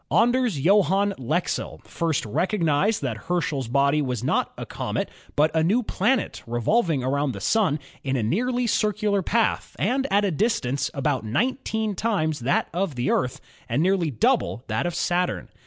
Anders Johann Lexell (1740 1784) first recognised that Herschel's body was not a comet but a new planet revolv ing around the Sun in a nearly circular path and at a dis tance about nineteen times that of the Earth and nearly double that of Saturn.